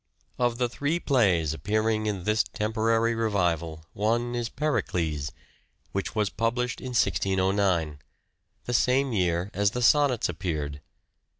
Of the three plays appearing in this temporary revival one is " Pericles," which was published in 1609 ; the same year as the Sonnets appeared.